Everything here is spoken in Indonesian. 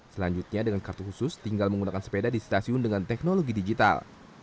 selanjutnya dengan kartu khusus tinggal menggunakan sepeda di stasiun dengan teknologi digital